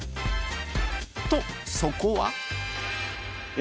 とそこは。